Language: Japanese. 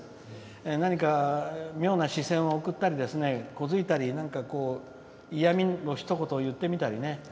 何か、妙な視線を送ったり小突いたり嫌みのひと言を言ってみたりね。